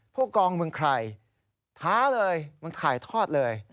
ผู้กองมึงใครท้าเลยมึงถ่ายทอดเลย